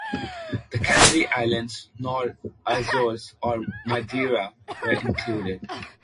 The Canary Islands, nor Azores or Madeira were included.